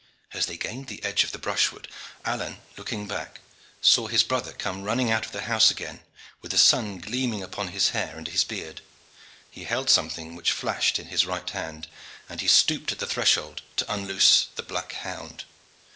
As they gained the edge of the brushwood, Alleyne, looking back, saw his brother come running out of the house again, with the sun gleaming upon his hair and his beard. He held something which flashed in his right hand, and he stooped at the threshold to unloose the black hound.